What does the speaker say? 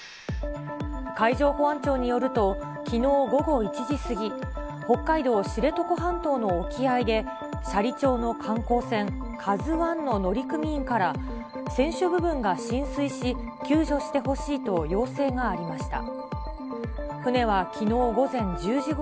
海上保安庁によると、きのう午後１時過ぎ、北海道知床半島の沖合で、斜里町の観光船カズ１の乗組員から、船首部分が浸水し、救助してほしいと要請がありました。